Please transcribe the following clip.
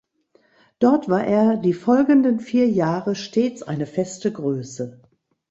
Dort war er die folgenden vier Jahre stets eine feste Größe.